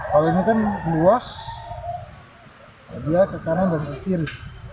kalau ini kan luas dia ke kanan dan ke kiri